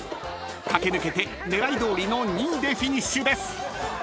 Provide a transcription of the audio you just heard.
［駆け抜けて狙いどおりの２位でフィニッシュです］